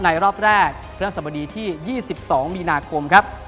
ในรอบแรกเพื่อนสบดีที่๒๒มีนาคมครับ